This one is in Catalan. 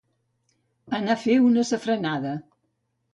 Anar a fer una safranada.